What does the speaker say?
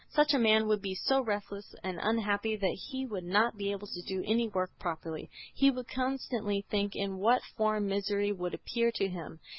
Such a man would be so restless and unhappy that he would not be able to do any work properly; he would constantly think in what form misery would appear to him.